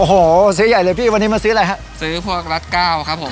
โอ้โหซื้อใหญ่เลยพี่วันนี้มาซื้ออะไรฮะซื้อพวกรักเก้าครับผม